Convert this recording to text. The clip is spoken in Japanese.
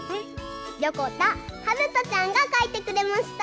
よこたはるとちゃんがかいてくれました。